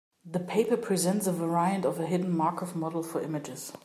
The paper presents a variant of a hidden Markov model for images.